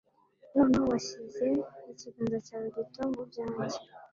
noneho washyize ikiganza cyawe gito mu byanjye ..